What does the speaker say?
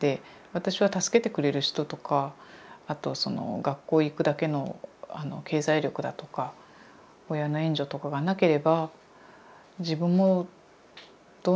私は助けてくれる人とかあと学校へ行くだけの経済力だとか親の援助とかがなければ自分もどうなってたか分からないっていうか。